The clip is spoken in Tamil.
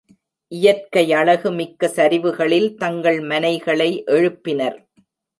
இயற்கையழகு மிக்க சரிவுகளில் தங்கள் மனைகளை எழுப்பினர்.